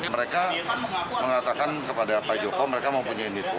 mereka mengatakan kepada pak joko mereka mempunyai info